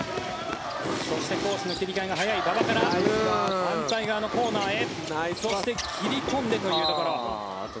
そして攻守の切り替えが速い馬場から反対側のコーナーへそして切り込んでくところ。